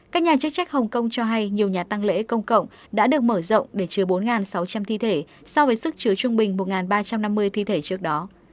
các nhà chức trách hồng kông cho hay nhiều nhà tăng lễ công cộng đã được mở rộng để chứa bốn sáu trăm linh thi thể so với sức chứa trung bình một ba trăm năm mươi thi thể trước đó